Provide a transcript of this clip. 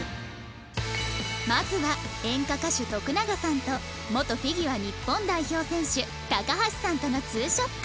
まずは演歌歌手徳永さんと元フィギュア日本代表選手高橋さんとのツーショット